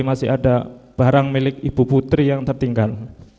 masih ada barang milik ibu putri yang tertinggal